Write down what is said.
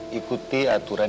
gak punya dokter